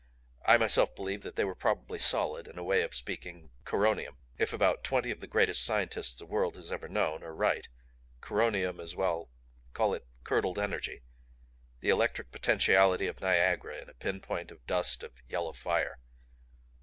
I myself believe that they were probably solid in a way of speaking coronium. "If about twenty of the greatest scientists the world has ever known are right, coronium is well, call it curdled energy. The electric potentiality of Niagara in a pin point of dust of yellow fire.